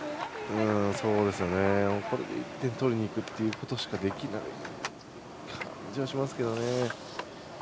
これで１点取りにいくということしかできない感じがしますが。